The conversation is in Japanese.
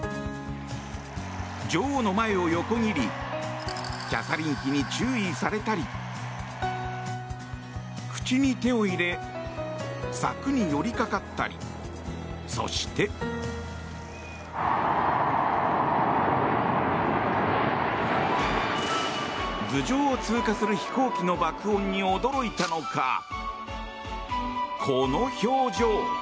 女王の前を横切りキャサリン妃に注意されたり口に手を入れ柵に寄りかかったりそして、頭上を通過する飛行機の爆音に驚いたのかこの表情。